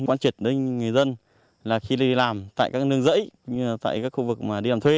quan trị đến người dân là khi đi làm tại các nương rẫy tại các khu vực mà đi làm thuê